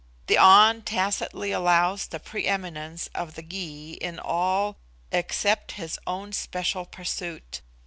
The An tacitly allows the pre eminence of the Gy in all except his own special pursuit.